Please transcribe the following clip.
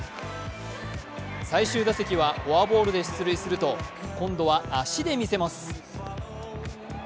最終打席は、フォアボールで出塁すると今度は足でみせます。